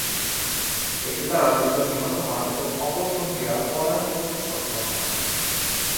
এতে তারা দুজন নিহত হন এবং অপর সঙ্গীরা পলায়ন করতে সক্ষম হন।